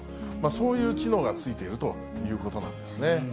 そういう機能が付いているということなんですね。